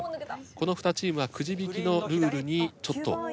この２チームはくじ引きのルールにちょっと。